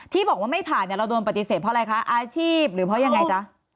ที่บอกว่าไม่ผ่านเราโดนปฏิเสธเพราะอะไรคะอาชีพหรือเพราะยังไงจ๊ะ